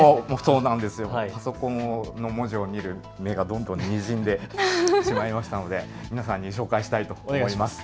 パソコンの文字を見る目がどんどんにじんでしまいましたので皆さんに紹介したいと思います。